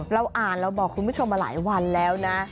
เราอ่านเราบอกคุณผู้ชมมาหลายวันแล้วนะ